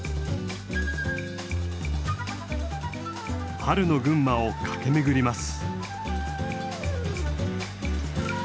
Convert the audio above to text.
春の群馬を駆け巡ります。